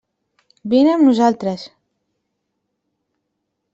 Vine amb nosaltres.